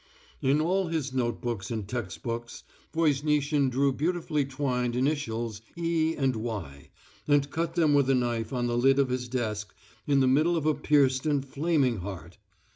In all his notebooks and textbooks Voznitsin drew beautifully twined initials E and Y, and cut them with a knife on the lid of his desk in the middle of a pierced and flaming heart.